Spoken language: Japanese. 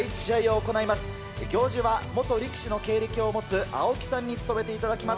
行司は元力士の経歴を持つ青木さんに務めていただきます。